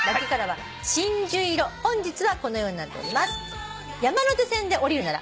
本日はこのようになっております。